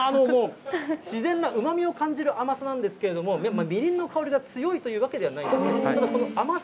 自然なうまみを感じる甘さなんですけれども、みりんの香りが強いというわけではないですね。